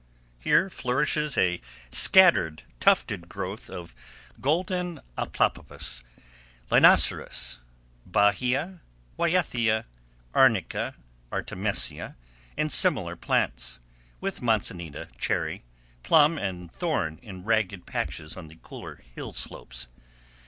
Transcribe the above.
Here flourishes a scattered, tufted growth of golden applopappus, linosyris, bahia, wyetheia, arnica, artemisia, and similar plants; with manzanita, cherry, plum, and thorn in ragged patches on the cooler hill slopes.